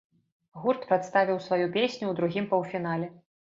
Гурт прадставіў сваю песню ў другім паўфінале.